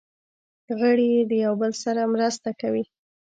غړي یې د یو بل سره مرسته کوي.